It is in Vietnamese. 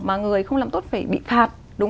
mà người không làm tốt phải bị phạt